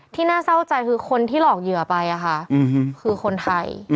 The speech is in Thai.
น่าเศร้าใจคือคนที่หลอกเหยื่อไปคือคนไทย